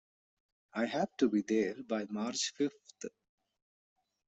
I have to be there by March fifth.